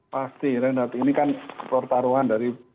pasti reinhardt ini kan pertaruhan dari